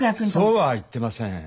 そうは言ってません。